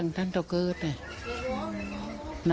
ยายถามนิ่งแต่เจ็บลึกถึงใจนะ